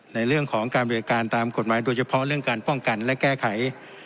ในเรื่องของการบริการตามกฎหมายโดยเฉพาะเรื่องการป้องกันและแก้ไข